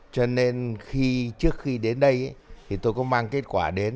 cho nên trước khi đến đây tôi có mang kết quả đến